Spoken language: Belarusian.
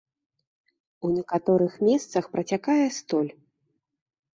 У некаторых месцах працякае столь.